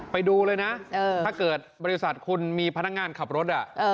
ไปดูเลยนะถ้าเกิดบริษัทคุณมีพนักงานขับรถ